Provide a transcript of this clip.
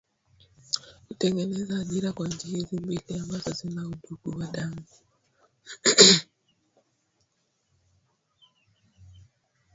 Kutengeneza ajira kwa nchi hizi mbili ambazo zina udugu wa damu